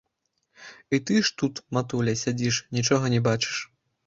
І ты ж тут, матуля, сядзіш, нічога не бачыш.